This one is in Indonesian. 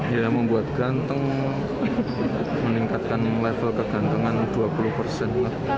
ya membuat ganteng meningkatkan level kegantungan dua puluh persen